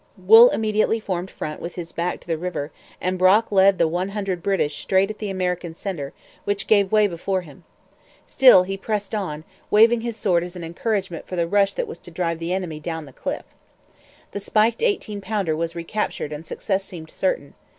Wool immediately formed front with his back to the river; and Brock led the one hundred British straight at the American centre, which gave way before him. Still he pressed on, waving his sword as an encouragement for the rush that was to drive the enemy down the cliff. The spiked eighteen pounder was recaptured and success seemed certain.